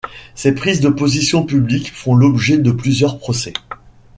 Ses prises de position publiques font l'objet de plusieurs procès.